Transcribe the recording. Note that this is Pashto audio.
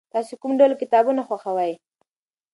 تاسې کوم ډول کتابونه خوښوئ؟